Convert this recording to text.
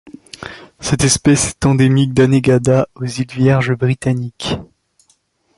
Cette espèce est endémique d'Anegada aux îles Vierges britanniques.